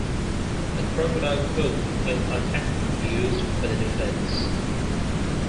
The crocodile coup is a technique used by the defense.